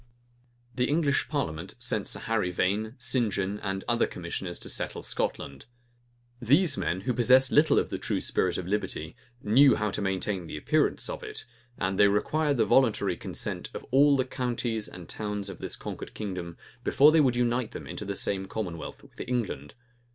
The English parliament sent Sir Harry Vane, St. John, and other commissioners to settle Scotland. These men, who possessed little of the true spirit of liberty, knew how to maintain the appearance of it; and they required the voluntary consent of all the counties and towns of this conquered kingdom, before they would unite them into the same commonwealth with England.